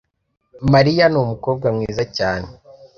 Mariya numukobwa mwiza cyane.